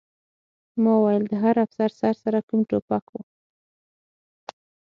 ما وویل د هغه افسر سره کوم ډول ټوپک و